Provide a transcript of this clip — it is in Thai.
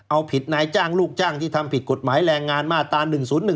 เอาผิดนายจ้างลูกจ้างที่ทำผิดกฎหมายแรงงานมาตรา๑๐๑